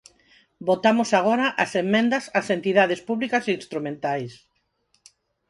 Votamos agora as emendas ás entidades públicas instrumentais.